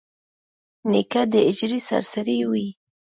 نیکه د حجرې سرسړی وي.